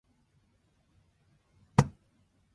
The history of the bajo sexto is somewhat unclear.